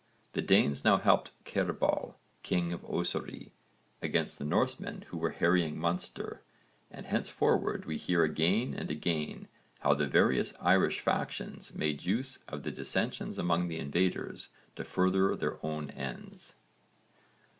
The Danes now helped Cerbhal, king of Ossory, against the Norsemen who were harrying Munster, and henceforward we hear again and again how the various Irish factions made use of the dissensions among the invaders to further their own ends.